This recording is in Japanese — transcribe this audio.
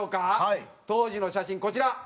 当時の写真こちら。